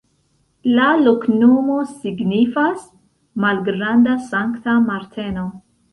La loknomo signifas: malgranda-Sankta Marteno.